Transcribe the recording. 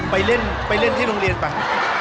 ไปเล่นไปเล่นที่โรงเรียนไป